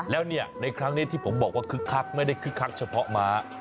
แล้วเนี่ยในครั้งนี้ที่ผมบอกว่าคึกคักไม่ได้คึกคักเฉพาะม้า